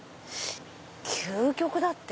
究極だって。